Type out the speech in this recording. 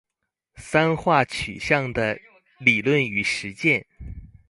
三化取向的理論與實踐